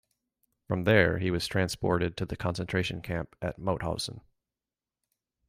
From there, he was transported to the concentration camp at Mauthausen.